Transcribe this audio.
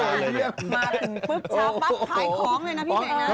มาถ่ายของเลยนะพี่เสกนะครับ